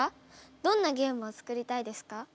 どんなゲームを作りたいですか？